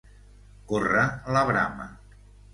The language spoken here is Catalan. Córrer la brama.